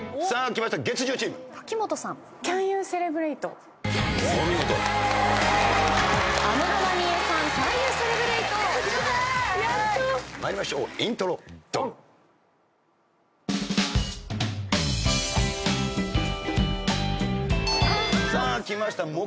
さあ来ました